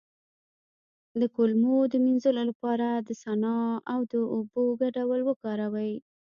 د کولمو د مینځلو لپاره د سنا او اوبو ګډول وکاروئ